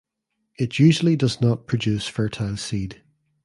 It usually does not produce fertile seed.